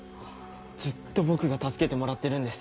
ずっと僕が助けてもらってるんです。